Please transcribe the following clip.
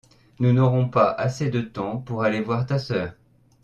Nous n'aurons pas assez de temps pour aller voir ta sœur.